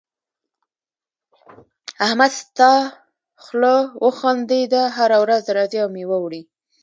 احمد ستا خوله وخوندېده؛ هر ورځ راځې او مېوه وړې.